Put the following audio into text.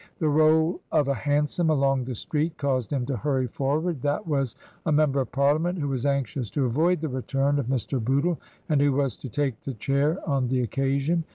The roll of a hansom along the street caused him to hurry forward ; that was a member of Parliament who was anxious to avoid the return of Mr. Bootle, and who was to take the chair on the occasion.